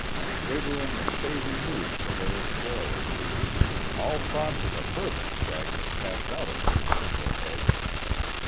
They were in the saving mood for their employer. All thoughts of a further strike had passed out of their simple heads.